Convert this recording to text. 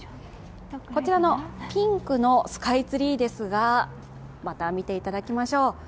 こちらのピンクのスカイツリーですが、また見ていただきましょう。